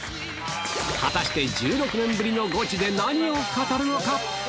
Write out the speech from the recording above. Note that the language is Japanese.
果たして１６年ぶりのゴチで何を語るのか？